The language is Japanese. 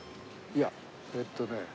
いやえっとね。